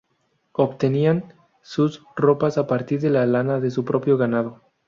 Obtenían sus ropas a partir de la lana de su propio ganado.